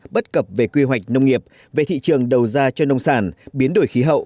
bất cập về quy hoạch nông nghiệp về thị trường đầu ra cho nông sản biến đổi khí hậu